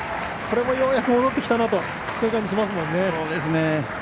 これもようやく戻ってきたなという感じがしますね。